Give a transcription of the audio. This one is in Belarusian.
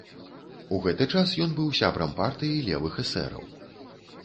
У гэты час ён быў сябрам партыі левых эсэраў.